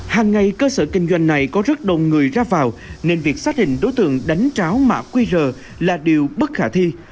hàng ngày cơ sở kinh doanh này có rất đông người ra vào nên việc xác định đối tượng đánh tráo mã qr là điều bất khả thi